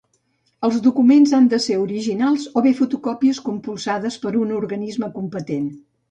Els documents han de ser originals o bé fotocòpies compulsades per un organisme competent.